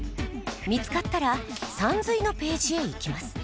見つかったら「さんずい」のページへいきます。